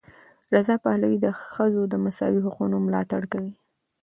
رضا پهلوي د ښځو د مساوي حقونو ملاتړ کوي.